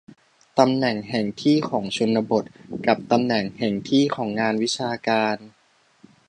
ตำแหน่งแห่งที่ของชนบท กับตำแหน่งแห่งที่ของงานวิชาการ